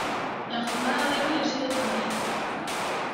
La jornada de hoy ha sido tranquila.